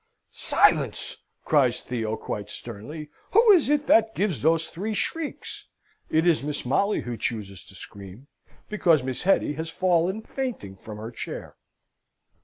"Silence!" cries Theo, quite sternly. Who is it that gives those three shrieks? It is Mrs. Molly, who chooses to scream, because Miss Hetty has fallen fainting from her chair.